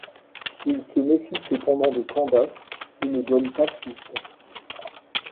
Il se méfie cependant de Candace et ne donne pas suite.